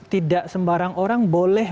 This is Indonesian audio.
tidak sembarang orang boleh